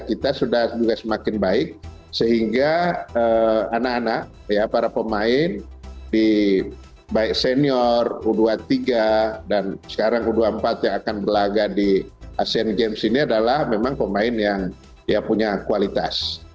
kita sudah juga semakin baik sehingga anak anak para pemain baik senior u dua puluh tiga dan sekarang u dua puluh empat yang akan berlaga di asean games ini adalah memang pemain yang punya kualitas